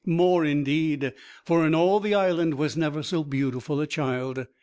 More indeed, for in all the Island was never so beautiful a child.